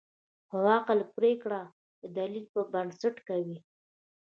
خو عقل پرېکړه د دلیل پر بنسټ کوي.